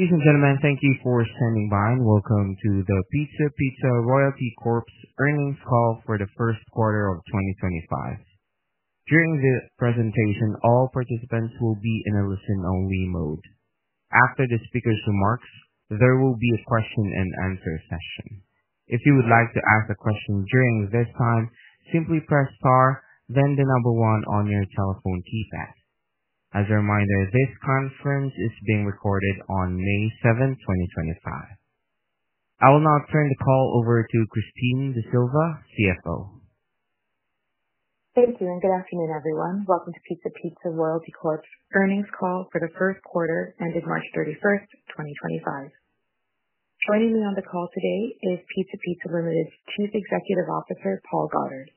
Ladies and gentlemen, thank you for standing by, and welcome to the Pizza Pizza Royalty Corp.'s earnings call for the first quarter of 2025. During the presentation, all participants will be in a listen-only mode. After the speaker's remarks, there will be a question-and-answer session. If you would like to ask a question during this time, simply press star, then the number one on your telephone keypad. As a reminder, this conference is being recorded on May 7, 2025. I will now turn the call over to Christine D'Sylva, CFO. Thank you, and good afternoon, everyone. Welcome to Pizza Pizza Royalty Corp.'s earnings call for the first quarter ended March 31st, 2025. Joining me on the call today is Pizza Pizza Limited's Chief Executive Officer, Paul Goddard.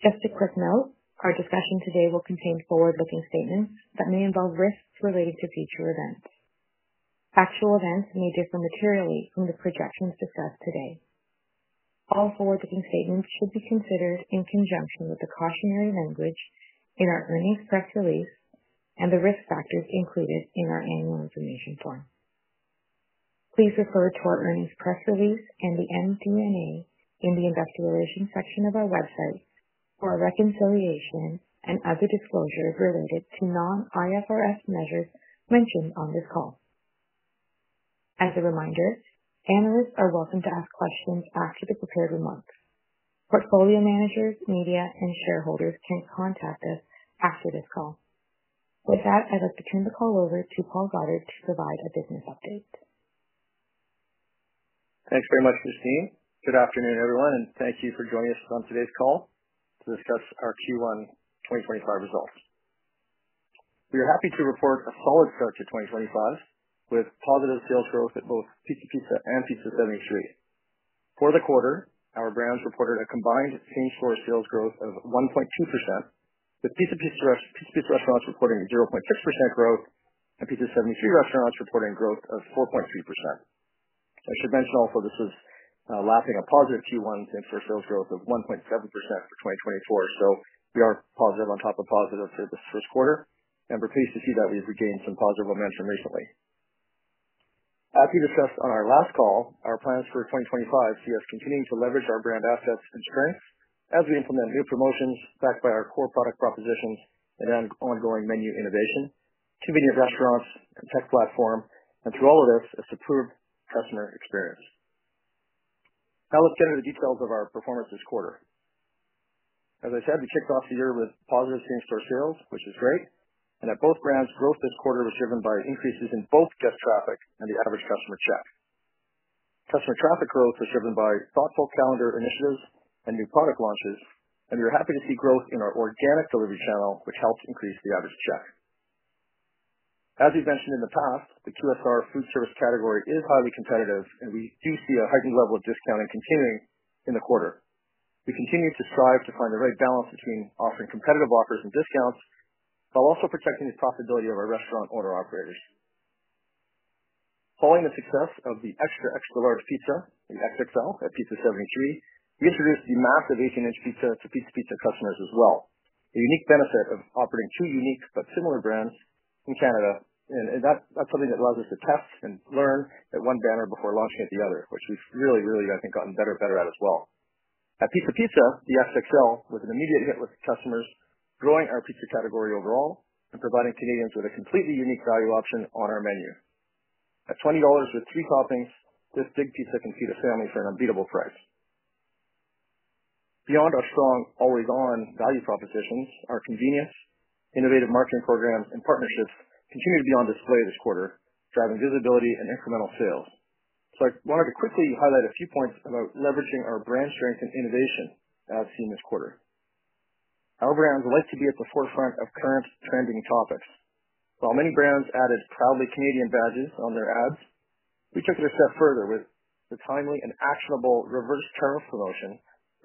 Just a quick note, our discussion today will contain forward-looking statements that may involve risks relating to future events. Factual events may differ materially from the projections discussed today. All forward-looking statements should be considered in conjunction with the cautionary language in our earnings press release and the risk factors included in our annual information form. Please refer to our earnings press release and the MD&A in the investor section of our website for reconciliation and other disclosures related to non-IFRS measures mentioned on this call. As a reminder, analysts are welcome to ask questions after the prepared remarks. Portfolio managers, media, and shareholders can contact us after this call. With that, I'd like to turn the call over to Paul Goddard to provide a business update. Thanks very much, Christine. Good afternoon, everyone, and thank you for joining us on today's call to discuss our Q1 2025 results. We are happy to report a solid start to 2025 with positive sales growth at both Pizza Pizza and Pizza 73. For the quarter, our brands reported a combined same-store sales growth of 1.2%, with Pizza Pizza restaurants reporting 0.6% growth and Pizza 73 restaurants reporting growth of 4.3%. I should mention also this is lapping a positive Q1 same-store sales growth of 1.7% for 2024, so we are positive on top of positive for this first quarter, and we're pleased to see that we've regained some positive momentum recently. As we discussed on our last call, our plans for 2025 see us continuing to leverage our brand assets and strengths as we implement new promotions backed by our core product propositions and ongoing menu innovation, convenient restaurants, and tech platform, and through all of this, a superb customer experience. Now let's get into the details of our performance this quarter. As I said, we kicked off the year with positive same-store sales, which is great, and at both brands, growth this quarter was driven by increases in both guest traffic and the average customer check. Customer traffic growth was driven by thoughtful calendar initiatives and new product launches, and we were happy to see growth in our organic delivery channel, which helped increase the average check. As we've mentioned in the past, the QSR food service category is highly competitive, and we do see a heightened level of discounting continuing in the quarter. We continue to strive to find the right balance between offering competitive offers and discounts while also protecting the profitability of our restaurant owner-operators. Following the success of the extra extra large pizza, the XXL at Pizza 73, we introduced the massive 18-inch pizza to Pizza Pizza customers as well. The unique benefit of operating two unique but similar brands in Canada, and that's something that allows us to test and learn at one banner before launching at the other, which we've really, really, I think, gotten better and better at as well. At Pizza Pizza, the XXL was an immediate hit with customers, growing our pizza category overall and providing Canadians with a completely unique value option on our menu. At 20 dollars with three toppings, this big pizza can feed a family for an unbeatable price. Beyond our strong always-on value propositions, our convenience, innovative marketing programs, and partnerships continue to be on display this quarter, driving visibility and incremental sales. I wanted to quickly highlight a few points about leveraging our brand strength and innovation as seen this quarter. Our brands like to be at the forefront of current trending topics. While many brands added proudly Canadian badges on their ads, we took it a step further with the timely and actionable reverse tariff promotion,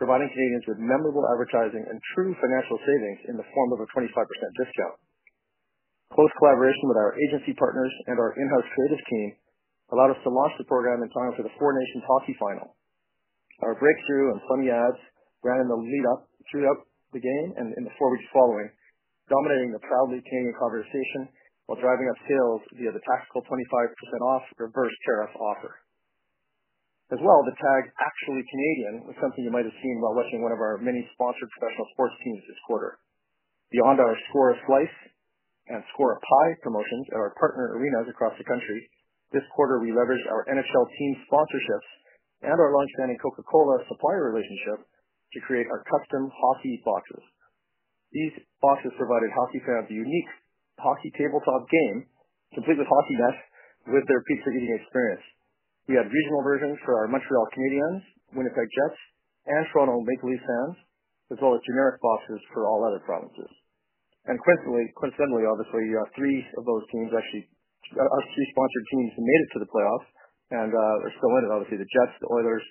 providing Canadians with memorable advertising and true financial savings in the form of a 25% discount. Close collaboration with our agency partners and our in-house creative team allowed us to launch the program in time for the Four Nations Hockey Final. Our breakthrough and plenty ads ran in the lead-up throughout the game and in the four weeks following, dominating the proudly Canadian conversation while driving up sales via the tactical 25% off reverse tariff offer. As well, the tag actually Canadian was something you might have seen while watching one of our many sponsored professional sports teams this quarter. Beyond our score a slice and score a pie promotions at our partner arenas across the country, this quarter we leveraged our NHL team sponsorships and our long-standing Coca-Cola supplier relationship to create our custom hockey boxes. These boxes provided hockey fans a unique hockey tabletop game, complete with hockey net with their pizza eating experience. We had regional versions for our Montreal Canadiens, Winnipeg Jets, and Toronto Maple Leafs fans, as well as generic boxes for all other provinces. Coincidentally, obviously, three of those teams actually are three sponsored teams who made it to the playoffs and are still in it, obviously, the Jets, the Oilers,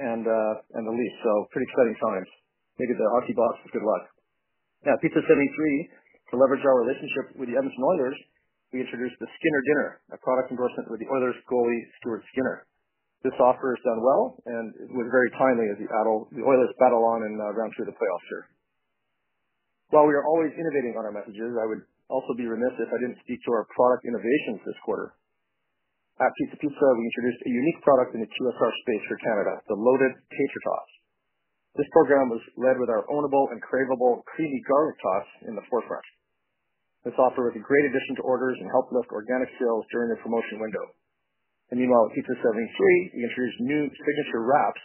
and the Leafs, so pretty exciting times. Make it the hockey boxes, good luck. Now, at Pizza 73, to leverage our relationship with the Edmonton Oilers, we introduced the Skinner Dinner, a product endorsement with the Oilers goalie Stuart Skinner. This offer has done well, and it was very timely as the Oilers battle on and run through the playoffs here. While we are always innovating on our messages, I would also be remiss if I did not speak to our product innovations this quarter. At Pizza Pizza, we introduced a unique product in the QSR space for Canada, the loaded tater tots. This program was led with our ownable and craveable creamy garlic tots in the forefront. This offer was a great addition to orders and helped lift organic sales during the promotion window. Meanwhile, at Pizza 73, we introduced new signature wraps,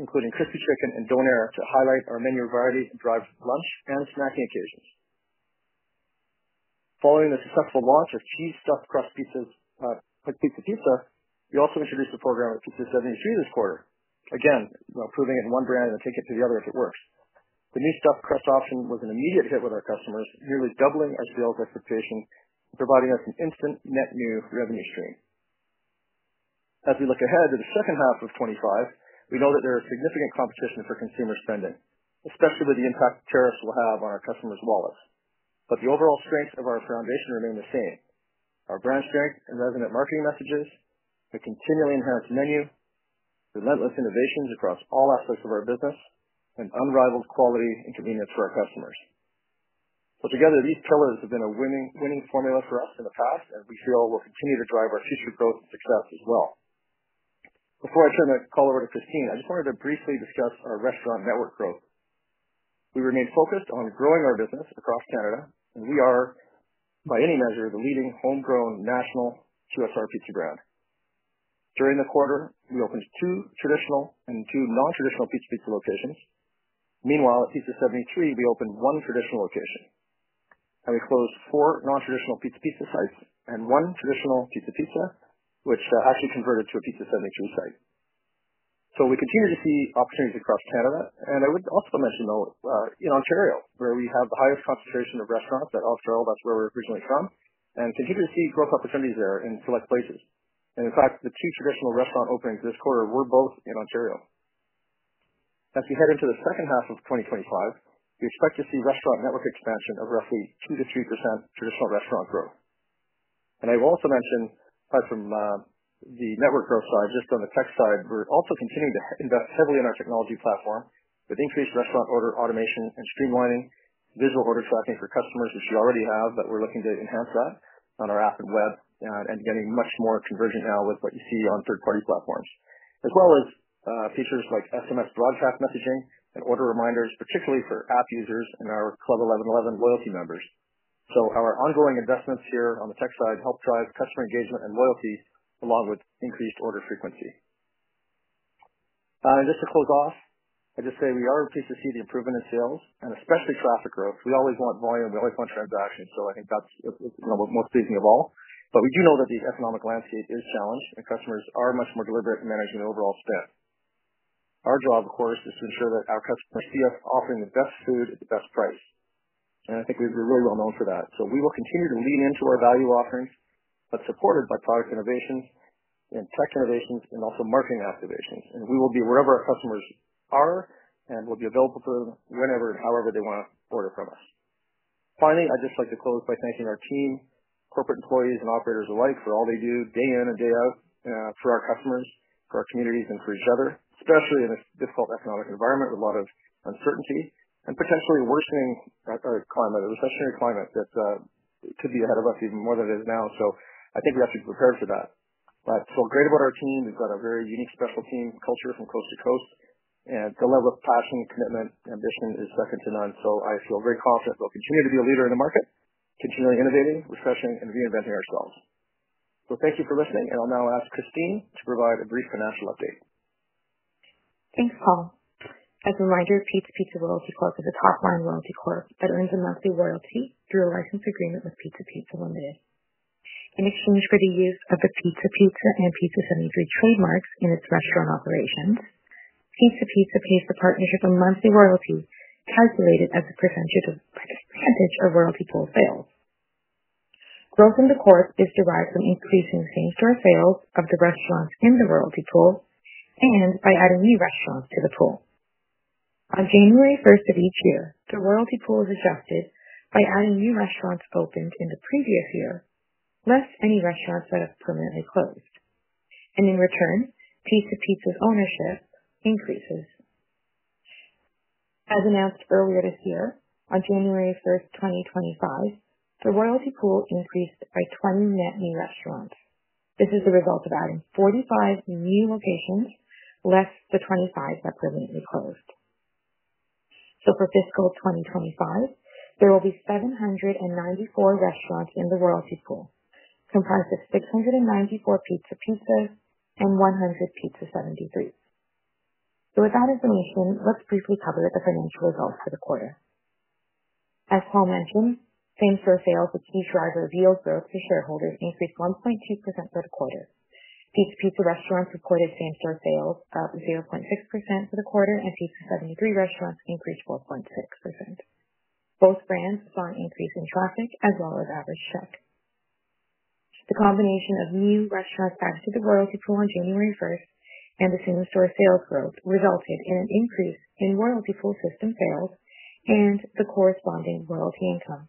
including crispy chicken and Donair, to highlight our menu variety and drive lunch and snacking occasions. Following the successful launch of cheese stuffed crust pizzas at Pizza Pizza, we also introduced a program at Pizza 73 this quarter, again, proving if it works at one brand, we take it to the other. The new stuffed crust option was an immediate hit with our customers, nearly doubling our sales expectation and providing us an instant net new revenue stream. As we look ahead to the second half of 2025, we know that there is significant competition for consumer spending, especially with the impact tariffs will have on our customers' wallets. But the overall strengths of our foundation remain the same: our brand strength and resonant marketing messages, the continually enhanced menu, relentless innovations across all aspects of our business, and unrivaled quality and convenience for our customers. Together, these pillars have been a winning formula for us in the past, and we feel we'll continue to drive our future growth and success as well. Before I turn the call over to Christine, I just wanted to briefly discuss our restaurant network growth. We remain focused on growing our business across Canada, and we are, by any measure, the leading homegrown national QSR pizza brand. During the quarter, we opened two traditional and two non-traditional Pizza Pizza locations. Meanwhile, at Pizza 73, we opened one traditional location, and we closed four non-traditional Pizza Pizza sites and one traditional Pizza Pizza, which actually converted to a Pizza 73 site. We continue to see opportunities across Canada, and I would also mention, though, in Ontario, where we have the highest concentration of restaurants at All Star, that's where we're originally from, and continue to see growth opportunities there in select places. In fact, the two traditional restaurant openings this quarter were both in Ontario. As we head into the second half of 2025, we expect to see restaurant network expansion of roughly 2%-3% traditional restaurant growth. I will also mention, aside from the network growth side, just on the tech side, we're also continuing to invest heavily in our technology platform with increased restaurant order automation and streamlining, visual order tracking for customers, which we already have, but we're looking to enhance that on our app and web and getting much more convergent now with what you see on third-party platforms, as well as features like SMS broadcast messaging and order reminders, particularly for app users and our Club 1111 loyalty members. Our ongoing investments here on the tech side help drive customer engagement and loyalty along with increased order frequency. Just to close off, I just say we are pleased to see the improvement in sales and especially traffic growth. We always want volume, we always want transactions, so I think that's most pleasing of all. We do know that the economic landscape is challenged, and customers are much more deliberate in managing the overall spend. Our job, of course, is to ensure that our customers see us offering the best food at the best price, and I think we're really well known for that. We will continue to lean into our value offerings, but supported by product innovations and tech innovations and also marketing activations, and we will be wherever our customers are and will be available for them whenever and however they want to order from us. Finally, I'd just like to close by thanking our team, corporate employees, and operators alike for all they do day in and day out for our customers, for our communities, and for each other, especially in this difficult economic environment with a lot of uncertainty and potentially worsening climate, a recessionary climate that could be ahead of us even more than it is now. I think we have to be prepared for that. I feel great about our team. We've got a very unique special team culture from coast to coast, and the level of passion, commitment, and ambition is second to none. I feel very confident we'll continue to be a leader in the market, continually innovating, refreshing, and reinventing ourselves. Thank you for listening, and I'll now ask Christine to provide a brief financial update. Thanks, Paul. As a reminder, Pizza Pizza Royalty Corp. is a top-line royalty corp. that earns a monthly royalty through a license agreement with Pizza Pizza Limited. In exchange for the use of the Pizza Pizza and Pizza 73 trademarks in its restaurant operations, Pizza Pizza pays the partnership a monthly royalty calculated as a percentage of royalty pool sales. Growth in the corp. is derived from increasing same-store sales of the restaurants in the royalty pool and by adding new restaurants to the pool. On January 1 of each year, the royalty pool is adjusted by adding new restaurants opened in the previous year less any restaurants that have permanently closed, and in return, Pizza Pizza's ownership increases. As announced earlier this year, on January 1st, 2025, the royalty pool increased by 20 net new restaurants. This is the result of adding 45 new locations less the 25 that permanently closed. For fiscal 2025, there will be 794 restaurants in the royalty pool, comprised of 694 Pizza Pizza and 100 Pizza 73. With that information, let's briefly cover the financial results for the quarter. As Paul mentioned, same-store sales with key drivers of yield growth for shareholders increased 1.2% for the quarter. Pizza Pizza restaurants reported same-store sales of 0.6% for the quarter, and Pizza 73 restaurants increased 4.6%. Both brands saw an increase in traffic as well as average check. The combination of new restaurants added to the royalty pool on January 1 and the same-store sales growth resulted in an increase in royalty pool system sales and the corresponding royalty income.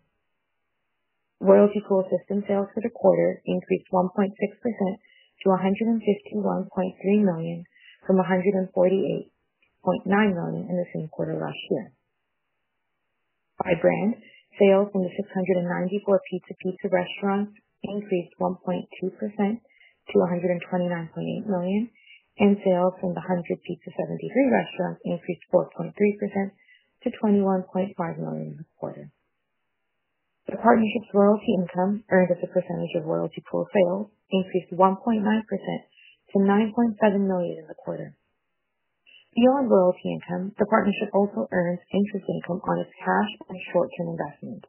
Royalty pool system sales for the quarter increased 1.6% to 151.3 million from 148.9 million in the same quarter last year. By brand, sales from the 694 Pizza Pizza restaurants increased 1.2% to 129.8 million, and sales from the 100 Pizza 73 restaurants increased 4.3% to 21.5 million in the quarter. The partnership's royalty income earned as a percentage of royalty pool sales increased 1.9% to 9.7 million in the quarter. Beyond royalty income, the partnership also earns interest income on its cash and short-term investments.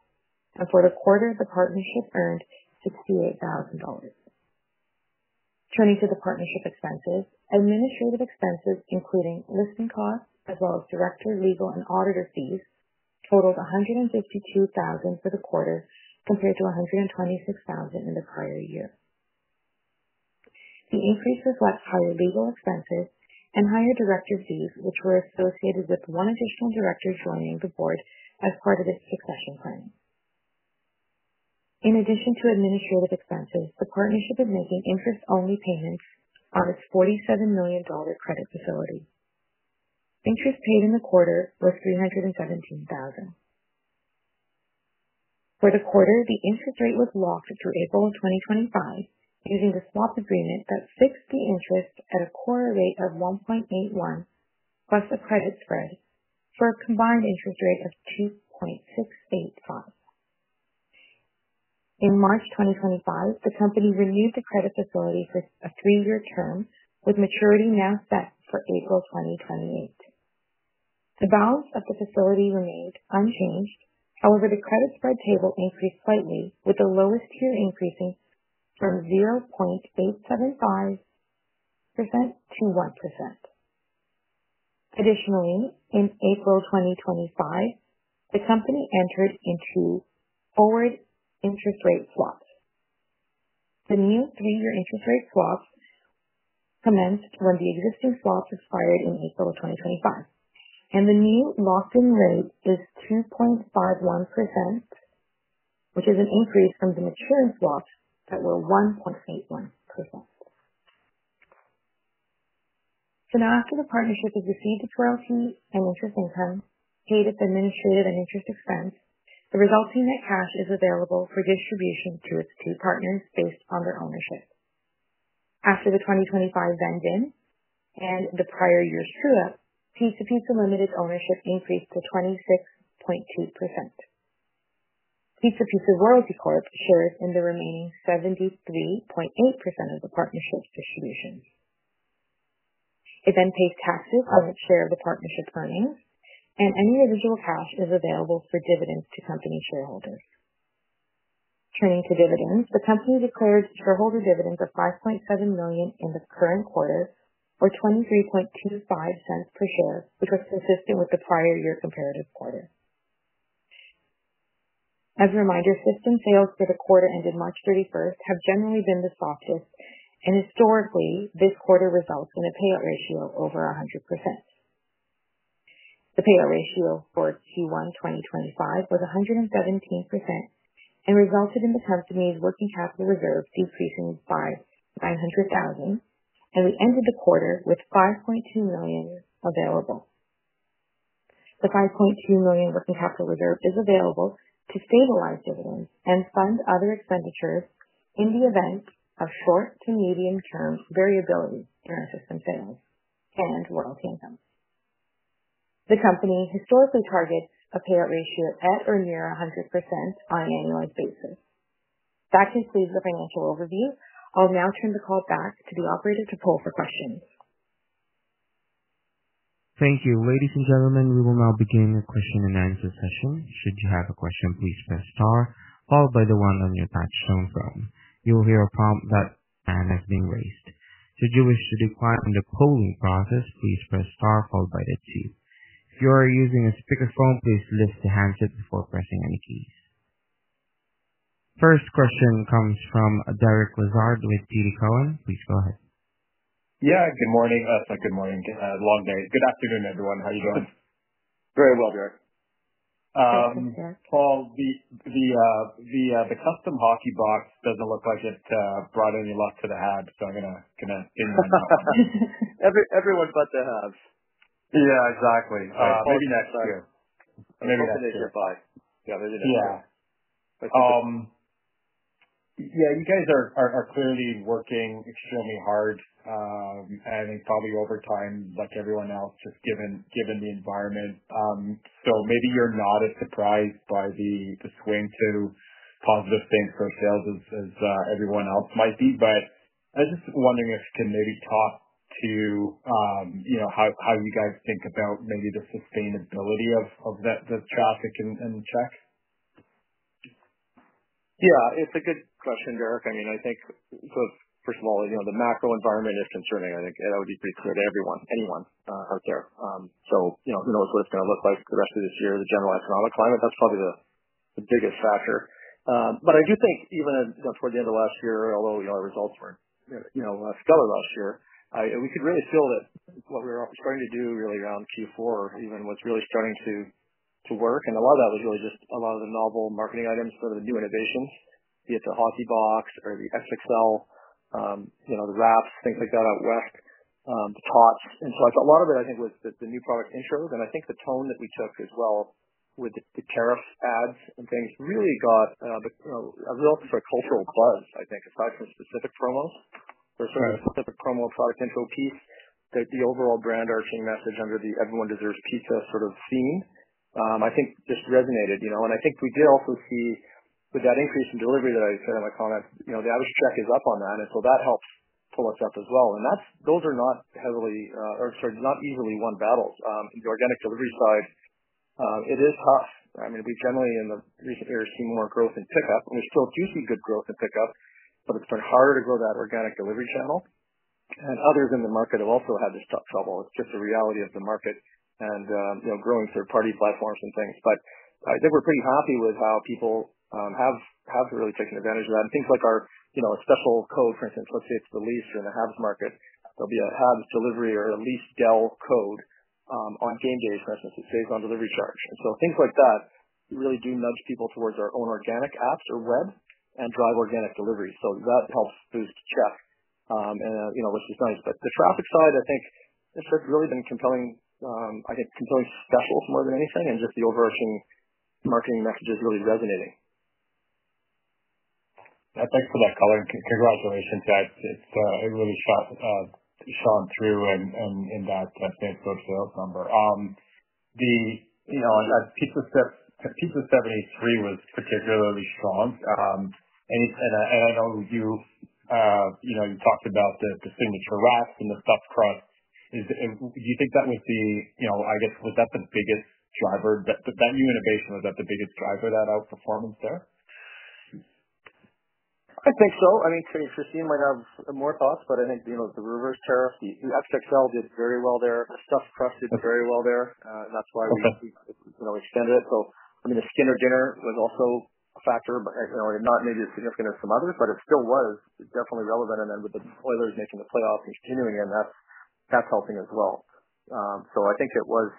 For the quarter, the partnership earned 68,000 dollars. Turning to the partnership expenses, administrative expenses, including listing costs as well as director, legal, and auditor fees, totaled 152,000 for the quarter compared to 126,000 in the prior year. The increase reflects higher legal expenses and higher director fees, which were associated with one additional director joining the board as part of its succession planning. In addition to administrative expenses, the partnership is making interest-only payments on its 47 million dollar credit facility. Interest paid in the quarter was 317,000. For the quarter, the interest rate was locked through April 2025 using the swap agreement that fixed the interest at a core rate of 1.81% plus a credit spread for a combined interest rate of 2.685%. In March 2025, the company renewed the credit facility for a three-year term with maturity now set for April 2028. The balance of the facility remained unchanged, however, the credit spread table increased slightly, with the lowest tier increasing from 0.875% to 1%. Additionally, in April 2025, the company entered into forward interest rate swaps. The new three-year interest rate swaps commenced when the existing swaps expired in April 2025, and the new lock-in rate is 2.51%, which is an increase from the maturing swaps that were 1.81%. Now, after the partnership has received its royalty and interest income, paid its administrative and interest expense, the resulting net cash is available for distribution to its two partners based on their ownership. After the 2025 vending and the prior year's true-up, Pizza Pizza Limited's ownership increased to 26.2%. Pizza Pizza Royalty Corp shares in the remaining 73.8% of the partnership's distributions. It then pays taxes on its share of the partnership's earnings, and any residual cash is available for dividends to company shareholders. Turning to dividends, the company declared shareholder dividends of 5.7 million in the current quarter, or 0.2325 per share, which was consistent with the prior year comparative quarter. As a reminder, system sales for the quarter ended March 31 have generally been the softest, and historically, this quarter resulted in a payout ratio over 100%. The payout ratio for Q1 2025 was 117% and resulted in the company's working capital reserve decreasing by 900,000, and we ended the quarter with 5.2 million available. The 5.2 million working capital reserve is available to stabilize dividends and fund other expenditures in the event of short to medium-term variability in our system sales and royalty income. The company historically targets a payout ratio at or near 100% on an annualized basis. That concludes the financial overview. I'll now turn the call back to the operator to poll for questions. Thank you. Ladies and gentlemen, we will now begin a question and answer session. Should you have a question, please press star, followed by the one on your touch-tone phone. You will hear a prompt that a hand is being raised. Should you wish to decline the polling process, please press star, followed by the two. If you are using a speakerphone, please lift the handset before pressing any keys. First question comes from Derek Lessard with TD Cowen. Please go ahead. Yeah, good morning. Long day. Good afternoon, everyone. How are you doing? Good. Very well, Derek. Thanks, Derek. Paul, the custom hockey box doesn't look like it brought any luck to the Habs, so I'm going to invent something. Everyone but the Habs. Yeah, exactly. Maybe next year. Maybe next year. Hoping they get by. Yeah, maybe next year. Yeah. Yeah, you guys are clearly working extremely hard, I think probably overtime like everyone else, just given the environment. Maybe you're not as surprised by the swing to positive things for sales as everyone else might be, but I was just wondering if you can maybe talk to how you guys think about maybe the sustainability of the traffic and check. Yeah, it's a good question, Derek. I mean, I think, first of all, the macro environment is concerning. I think that would be pretty clear to anyone, right there. Who knows what it's going to look like the rest of this year, the general economic climate? That's probably the biggest factor. I do think even toward the end of last year, although our results weren't stellar last year, we could really feel that what we were starting to do really around Q4 even was really starting to work. A lot of that was really just a lot of the novel marketing items, sort of the new innovations, be it the custom hockey box or the XXL, the wraps, things like that out west, the tots. A lot of it, I think, was the new product intros, and I think the tone that we took as well with the tariff ads and things really got a real sort of cultural buzz, I think, aside from specific promos. There was sort of a specific promo product intro piece that the overall brand arching message under the everyone deserves pizza sort of theme, I think, just resonated. I think we did also see with that increase in delivery that I said in my comments, the average check is up on that, and so that helps pull us up as well. Those are not heavily, or sorry, not easily won battles. On the organic delivery side, it is tough. I mean, we generally in the recent years see more growth in pickup, and we still do see good growth in pickup, but it's been harder to grow that organic delivery channel. Others in the market have also had this tough trouble. It's just a reality of the market and growing third-party platforms and things. I think we're pretty happy with how people have really taken advantage of that. Things like a special code, for instance, let's say it's the Leafs or in the Habs market, there'll be a Habs delivery or a Leafs deal code on game days, for instance, that saves on delivery charge. Things like that really do nudge people towards our own organic apps or web and drive organic delivery. That helps boost check, which is nice. The traffic side, I think, it's really been compelling, I think, compelling specials more than anything, and just the overarching marketing message is really resonating. Yeah, thanks for that, Colin. Congratulations. It really shone through in that same-store sales number. The Pizza Pizza, Pizza 73 was particularly strong. I know you talked about the signature wraps and the stuffed crust. Do you think that was the, I guess, was that the biggest driver? That new innovation, was that the biggest driver of that outperformance there? I think so. I mean, Christine might have more thoughts, but I think the reverse tariff, the XXL did very well there. The stuffed crust did very well there. That is why we extended it. I mean, the Skinner Dinner was also a factor, but not maybe as significant as some others, but it still was definitely relevant. With the Oilers making the playoffs and continuing in, that is helping as well. I think it was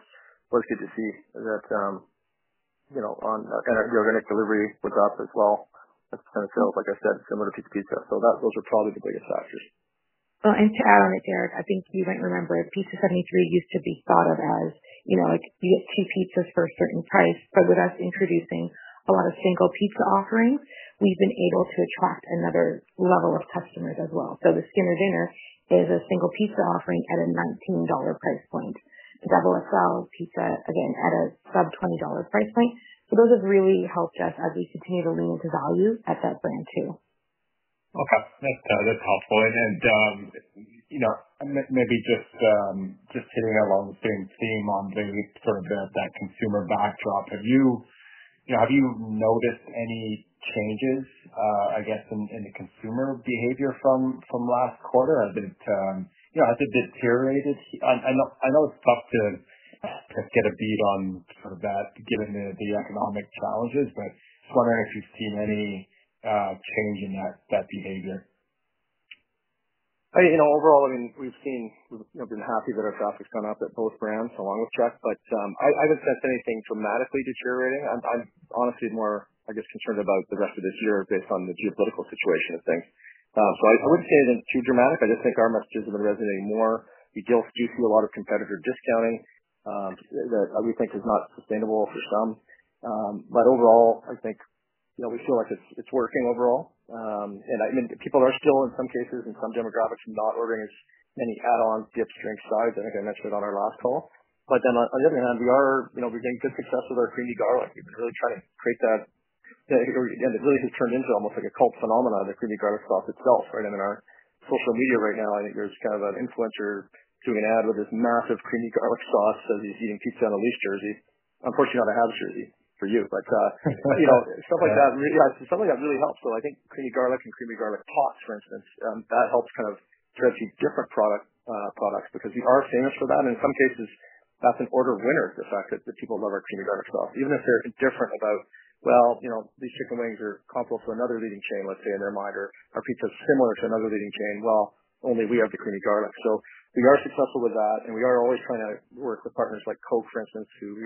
good to see that the organic delivery was up as well. Sales, like I said, similar to Pizza Pizza. Those are probably the biggest factors. To add on it, Derek, I think you might remember Pizza 73 used to be thought of as you get two pizzas for a certain price. But with us introducing a lot of single pizza offerings, we've been able to attract another level of customers as well. The Skinner Dinner is a single pizza offering at a 19 dollar price point. The XXL pizza, again, at a sub-CAD 20 price point. Those have really helped us as we continue to lean into value at that brand too. Okay. That's helpful. Maybe just hitting along the same theme on sort of that consumer backdrop, have you noticed any changes, I guess, in the consumer behavior from last quarter? Has it deteriorated? I know it's tough to get a beat on sort of that given the economic challenges, but just wondering if you've seen any change in that behavior? I mean, overall, I mean, we've been happy that our traffic's gone up at both brands along with check, but I haven't sensed anything dramatically deteriorating. I'm honestly more, I guess, concerned about the rest of this year based on the geopolitical situation of things. I wouldn't say it's too dramatic. I just think our messages have been resonating more. We do see a lot of competitor discounting that we think is not sustainable for some. Overall, I think we feel like it's working overall. I mean, people are still, in some cases, in some demographics, not ordering as many add-ons, dips, drinks, sides, I think I mentioned on our last call. Then on the other hand, we're getting good success with our creamy garlic. We've been really trying to create that, and it really has turned into almost like a cult phenomenon, the creamy garlic sauce itself, right? I mean, on our social media right now, I think there's kind of an influencer doing an ad with this massive creamy garlic sauce as he's eating pizza on a Leafs jersey. Unfortunately, not a Habs jersey for you, but stuff like that, yeah, stuff like that really helps. I think creamy garlic and creamy garlic tots, for instance, that helps kind of drive different products because we are famous for that. In some cases, that's an order winner, the fact that people love our creamy garlic sauce. Even if they're indifferent about, well, these chicken wings are comparable to another leading chain, let's say in their mind, or our pizza is similar to another leading chain, well, only we have the creamy garlic. We are successful with that, and we are always trying to work with partners like Coca-Cola, for instance, who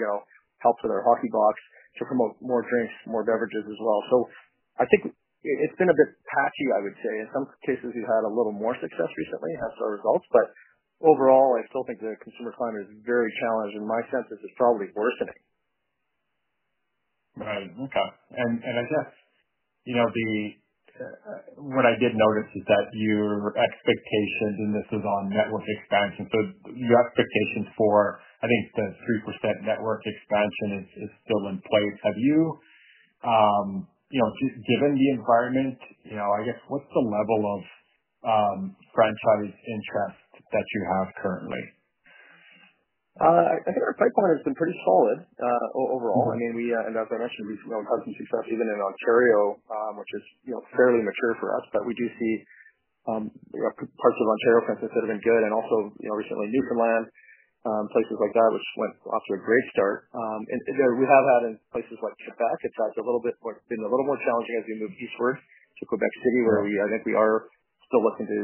help with our hockey box to promote more drinks, more beverages as well. I think it's been a bit patchy, I would say. In some cases, we've had a little more success recently as our results, but overall, I still think the consumer climate is very challenged, and my sense is it's probably worsening. Right. Okay. I guess what I did notice is that your expectations, and this is on network expansion, your expectations for, I think, the 3% network expansion is still in place. Have you, given the environment, I guess, what's the level of franchise interest that you have currently? I think our pipeline has been pretty solid overall. I mean, and as I mentioned, we've had some success even in Ontario, which is fairly mature for us, but we do see parts of Ontario, for instance, that have been good. Also recently, Newfoundland, places like that, which went off to a great start. We have had in places like Quebec, it's actually a little bit been a little more challenging as we move eastward to Quebec City, where I think we are still looking to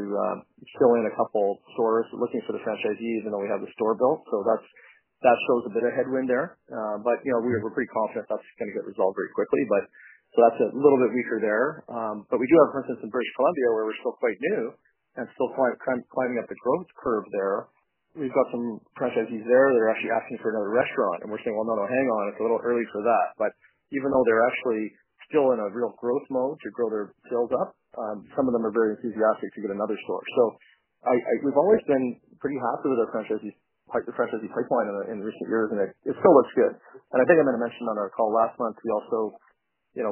fill in a couple of stores looking for the franchisees, and then we have the store built. That shows a bit of headwind there. We're pretty confident that's going to get resolved very quickly. That's a little bit weaker there. We do have, for instance, in British Columbia, where we're still quite new and still climbing up the growth curve there. We've got some franchisees there that are actually asking for another restaurant, and we're saying, "No, no, hang on. It's a little early for that." Even though they're actually still in a real growth mode to grow their sales up, some of them are very enthusiastic to get another store. We've always been pretty happy with our franchisee pipeline in recent years, and it still looks good. I think I meant to mention on our call last month, we also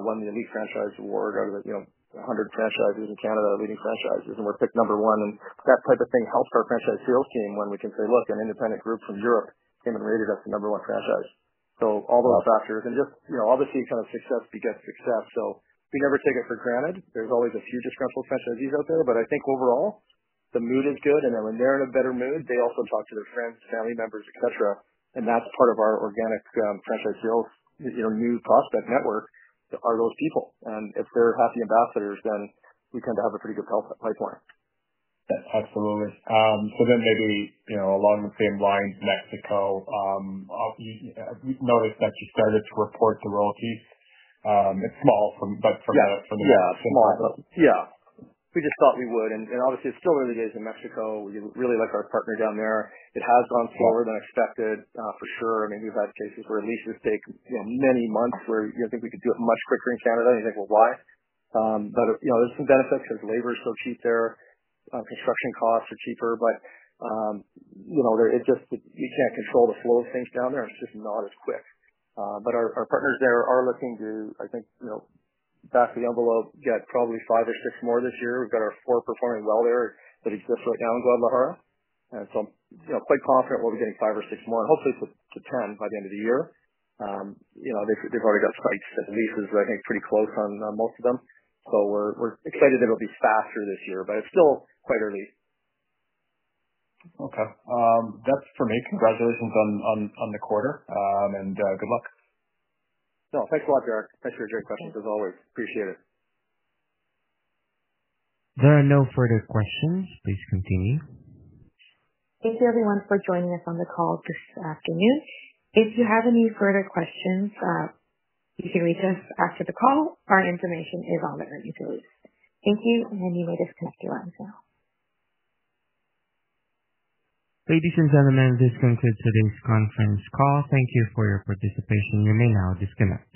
won the Elite Franchise Award out of the 100 franchises in Canada, leading franchises, and we were picked number one. That type of thing helps our franchise sales team when we can say, "Look, an independent group from Europe came and rated us the number one franchise." All those factors. Obviously, kind of success begets success. We never take it for granted. There are always a few disgruntled franchisees out there, but I think overall, the mood is good. When they are in a better mood, they also talk to their friends, family members, etc. That is part of our organic franchise sales, new prospect network, those people. If they are happy ambassadors, then we tend to have a pretty good pipeline. Absolutely. Maybe along the same lines, Mexico, we've noticed that you started to report royalties. It's small, but from the. Yeah, small. Yeah. We just thought we would. Obviously, it still really is in Mexico. We really like our partner down there. It has gone slower than expected, for sure. I mean, we've had cases where leases take many months where you think we could do it much quicker in Canada, and you think, "Why?" There are some benefits because labor is so cheap there. Construction costs are cheaper, but it's just that we can't control the flow of things down there. It's just not as quick. Our partners there are looking to, I think, back of the envelope, get probably five or six more this year. We've got our four performing well there that exist right now in Guadalajara. I'm quite confident we'll be getting five or six more, and hopefully, it's to 10 by the end of the year. They've already got sites that lease is, I think, pretty close on most of them. We are excited that it'll be faster this year, but it's still quite early. Okay. That's for me. Congratulations on the quarter, and good luck. No, thanks a lot, Derek. Thanks for your great questions, as always. Appreciate it. There are no further questions. Please continue. Thank you, everyone, for joining us on the call this afternoon. If you have any further questions, you can reach us after the call. Our information is on the earnings release. Thank you, and you may disconnect your lines now. Ladies and gentlemen, this concludes today's conference call. Thank you for your participation. You may now disconnect.